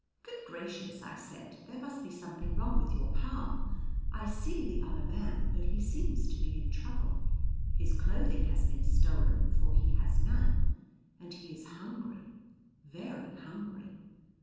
"Good gracious," I said, "there must be something wrong with your palm. I see the other man, but he seems to be in trouble. His clothing has been stolen, for he has none, and he is hungry, very hungry."